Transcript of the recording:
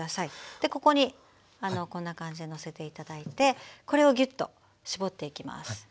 でここにこんな感じでのせて頂いてこれをぎゅっと絞っていきます。